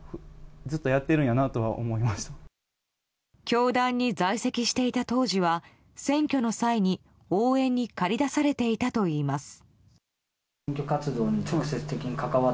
教団に在籍していた当時は選挙の際に応援にかり出されていたといいます。